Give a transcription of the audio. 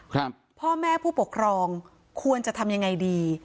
พ่อแม่ผู้ปกครองควรจะทำยังไงดี